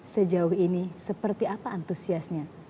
sejauh ini seperti apa antusiasnya